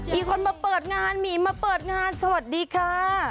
มีคนมาเปิดงานหมีมาเปิดงานสวัสดีค่ะ